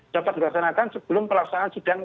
dapat dilaksanakan sebelum pelaksanaan